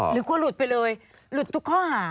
กลัวหลุดไปเลยหลุดทุกข้อหา